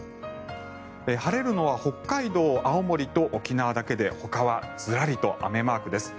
晴れるのは北海道、青森と沖縄だけでほかはずらりと雨マークです。